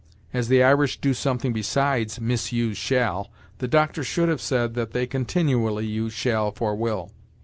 As the Irish do something besides misuse shall, the Doctor should have said that they continually use shall for will.